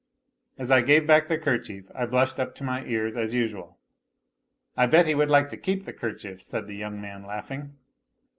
As I gave back the kerchief I blushed up to my ears, as usual. " I bet he would like to keep the kerchief," said the young man laughing.